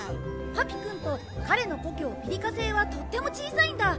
パピくんと彼の故郷ピリカ星はとっても小さいんだ